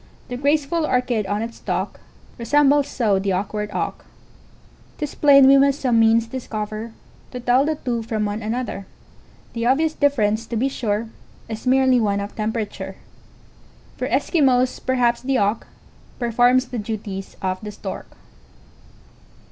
The graceful Orchid on its stalk, Resembles so the auk ward Auk; 'T is plain we must some means discover, To tell the two from one another: The obvious difference, to be sure, Is merely one of temperature. For Eskimos, perhaps, the Auk Performs the duties of the Stork.